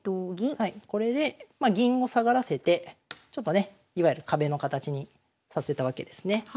はいこれで銀を下がらせてちょっとねいわゆる壁の形にさせたわけですね。